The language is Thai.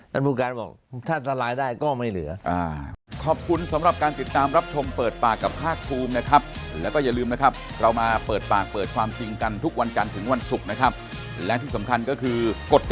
ท่านผู้การบอกถ้าอันตรายได้ก็ไม่เหลือ